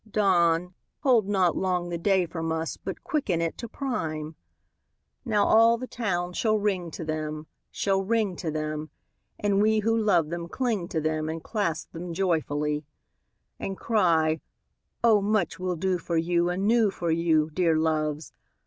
— Dawn, hold not long the day from us, But quicken it to prime! II Now all the town shall ring to them, Shall ring to them, And we who love them cling to them And clasp them joyfully; And cry, "O much we'll do for you Anew for you, Dear Loves!